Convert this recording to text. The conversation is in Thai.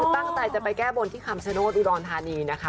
ตั้งแต่จะไปแก้บนที่คำสั่งโทษอุดรณฑานีนะคะ